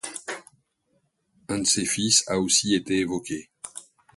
Un de ses fils a aussi été évoqué.